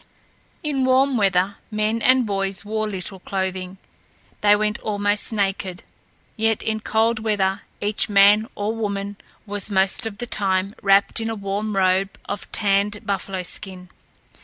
In warm weather men and boys wore little clothing. They went almost naked; yet in cold weather each man or woman was most of the time wrapped in a warm robe of tanned buffalo skin.